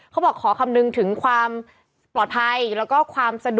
เป็นการกระตุ้นการไหลเวียนของเลือด